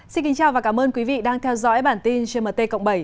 xin kính chào và cảm ơn quý vị đang theo dõi bản tin gmt cộng bảy